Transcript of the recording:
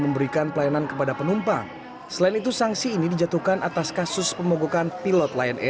sebenarnya apapun isinya itu kita keberatan itu dulu